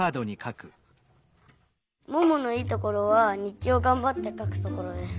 「もものいいところはにっきをがんばってかくところです」。